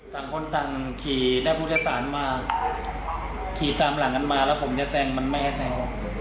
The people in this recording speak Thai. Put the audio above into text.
ต่างคนต่างขี่ได้ผู้โดยสารมาขี่ตามหลังกันมาแล้วผมจะแซงมันไม่ให้แซง